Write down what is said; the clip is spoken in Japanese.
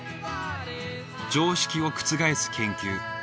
常識を覆す研究。